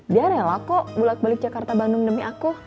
dia rela kok bulat balik jakarta bandung demi aku